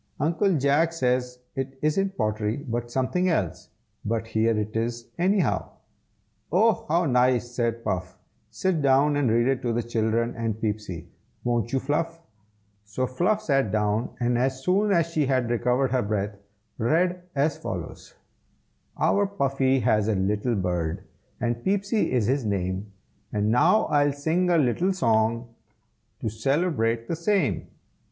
"Uncle Jack says it isn't pottery, but something else; but here it is, anyhow." [Illustration: THE DOLL'S NURSERY.] "Oh! how nice!" said Puff. "Sit down and read it to the children and Peepsy, won't you, Fluff?" So Fluff sat down, and as soon as she had recovered her breath, read as follows: Our Puffy has a little bird, And Peepsy is his name, And now I'll sing a little song, To celebrate the same.